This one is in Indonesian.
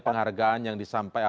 penghargaan yang disampaikan